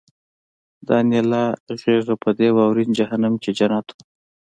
د انیلا غېږه په دې واورین جهنم کې جنت وه